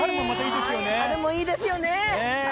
はい春もいいですよね！